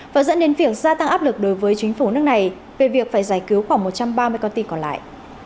và dẫn đến việc gia tăng áp lực đối với chính phủ nước này về việc phải giải cứu khoảng một trăm ba mươi con tin còn lại